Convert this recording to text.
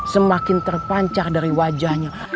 semakin terpancar dari wajahnya